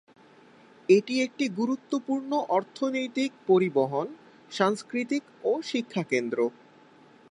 এটি একটি গুরুত্বপূর্ণ অর্থনৈতিক, পরিবহন, সাংস্কৃতিক ও শিক্ষাকেন্দ্র।